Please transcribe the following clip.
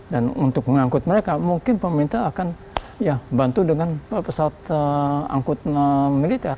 dan untuk mengangkut mereka mungkin pemerintah akan ya bantu dengan pesawat angkut militer